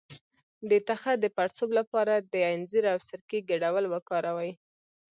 د تخه د پړسوب لپاره د انځر او سرکې ګډول وکاروئ